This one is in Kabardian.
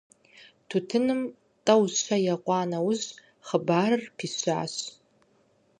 Тутыным тӀэу-щэ екъуа нэужь хъыбарым пищащ.